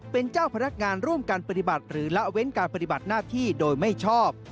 เป็นเจ้าพนักงานร่วมกันปฏิบัติหรือละเว้นการปฏิบัติหน้าที่โดยไม่ชอบ